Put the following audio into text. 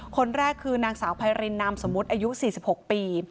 คนแรกคือนางสาวไพรินนามสมมุติอายุ๔๖ปี